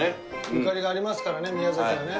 ゆかりがありますからね宮崎はね。